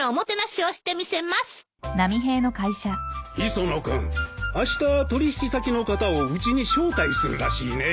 磯野君あした取引先の方をうちに招待するらしいね。